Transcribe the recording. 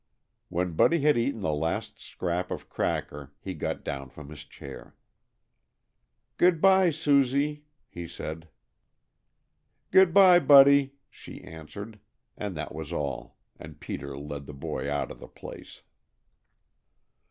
When Buddy had eaten the last scrap of cracker he got down from his chair. "Good by, Susie," he said. "Good by, Buddy," she answered, and that was all, and Peter led the boy out of the place.